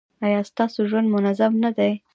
ایا ستاسو ژوند منظم نه دی؟